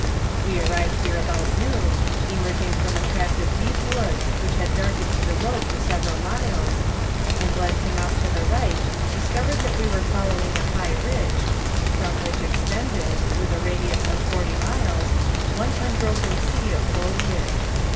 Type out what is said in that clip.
We arrived here about noon, emerging from a tract of deep woods which had darkened the road for several miles, and glancing off to the right, discovered that we were following a high ridge, from which extended, with a radius of forty miles, one unbroken sea of foliage.